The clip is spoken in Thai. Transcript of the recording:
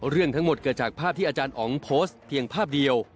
เรื่องทั้งหมดเกิดจากภาพที่อาจารย์อ๋องโพสต์เพียงภาพเดียว